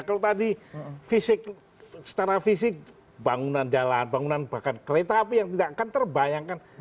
kalau tadi fisik secara fisik bangunan jalan bangunan bahkan kereta api yang tidak akan terbayangkan